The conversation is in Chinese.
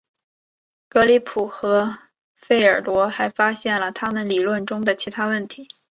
格里普和费尔罗还发现了他们理论中的其他问题。